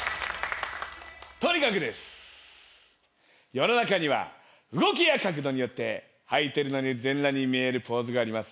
世の中には動きや角度によってはいてるのに全裸に見えるポーズがあります。